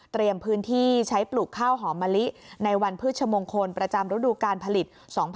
เตรียมพื้นที่ใช้ปลูกข้าวหอมะลิในวันผืชมงคลประจำรุดุการผลิต๒๕๖๓